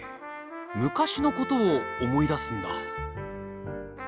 昔のことを思い出すんだ。